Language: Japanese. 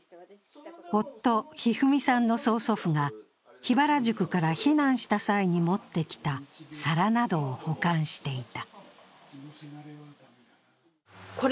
夫・一二三さんさんの曽祖父が桧原宿から避難した際に持ってきた皿などを保管していた。